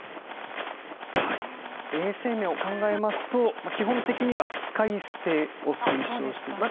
衛生面を考えると基本的には使い捨てを推奨していると。